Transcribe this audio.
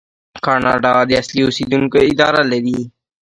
کاناډا د اصلي اوسیدونکو اداره لري.